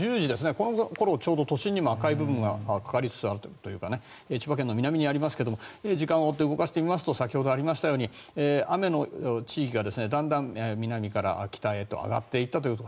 この頃、ちょうど都心にも赤い部分がかかりつつあるというか千葉県の南にありますが時間を追って動かしてみますと先ほどありましたように雨の地域がだんだん南から北へと上がっていったということ。